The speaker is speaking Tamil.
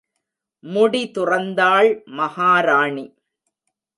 முடி துறந்தாள் மகாராணி.